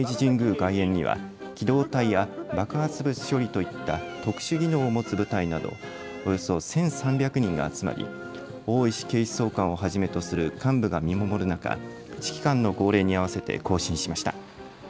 外苑には機動隊や爆発物処理といった特殊技能を持つ部隊などおよそ１３００人が集まり、大石警視総監をはじめとする幹部が見守る中、指揮官の号令に合わせて行進しました。